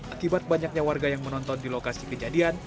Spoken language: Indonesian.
akibat banyaknya warga yang menonton di lokasi kejadian